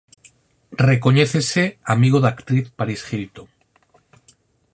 Recoñécese amigo da actriz Paris Hilton.